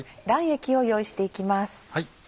卵液を用意して行きます。